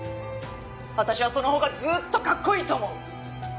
私はそのほうがずーっとかっこいいと思う！